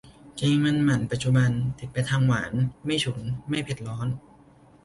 แกงมันหมั่นปัจจุบัน ติดไปทางหวาน ไม่ฉุน ไม่เผ็ดร้อน